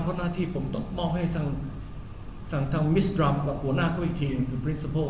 เพราะหน้าที่ผมต้องมอบให้ทั้งทางมิสดรัมกับหัวหน้าเขาอีกทีคือปรินสิปโปร์